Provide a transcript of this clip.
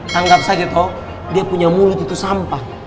tanggap saja kok dia punya mulut itu sampah